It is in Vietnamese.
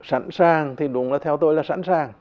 sẵn sàng thì đúng là theo tôi là sẵn sàng